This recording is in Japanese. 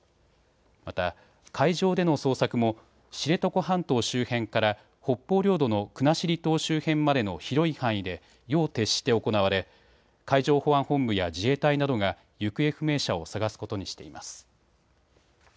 また、海上での捜索も知床半島周辺から北方領土の国後島周辺までの広い範囲で夜を徹して行われ海上保安本部や自衛隊などが行方不明者を捜すことにしています。